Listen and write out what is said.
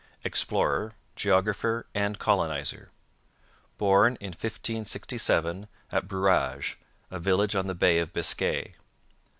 Explorer, geographer, and colonizer. Born in 1567 at Brouage, a village on the Bay of Biscay.